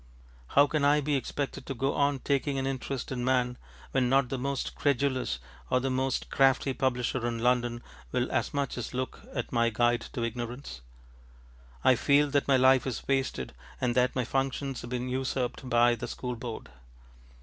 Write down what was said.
How can I be expected to go on taking an interest in man when not the most credulous or the most crafty publisher in London will as much as look at my Guide to Ignorance? I feel that my life is wasted and that my functions have been usurped by the School Board.